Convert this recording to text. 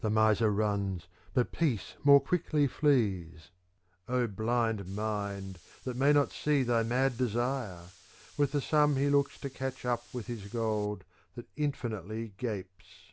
The miser runs, but peace more quickly flees (Oh blind mind that may not see thy mad desire !) with the sum he looks to catch up with his gold, that in finitely gapes.